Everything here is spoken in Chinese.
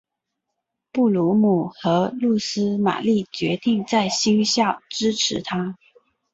布卢姆和露丝玛丽决定在新校支持他。